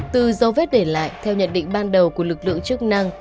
từ dấu vết để lại theo nhận định ban đầu của lực lượng chức năng